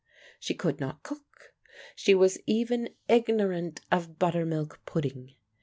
She could not cook ; she was even igno rant of buttermilk pudding.